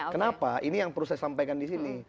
kenapa ini yang perlu saya sampaikan disini